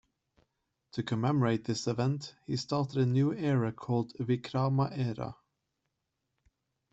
To commemorate this event, he started a new era called the "Vikrama era".